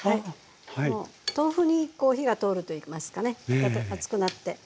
豆腐に火が通るといいますかね熱くなって。